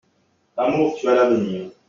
Amour, tu as l'avenir.